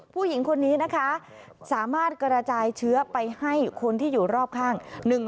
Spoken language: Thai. ผู้หญิงคนนี้นะคะสามารถกระจายเชื้อไปให้คนที่อยู่รอบข้าง